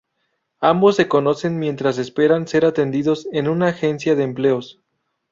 Ambos se conocen mientras esperan ser atendidos en una agencia de empleos.